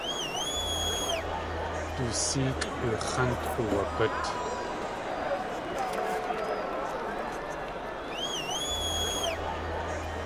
Du séekʼ du x̲ánt uwagút.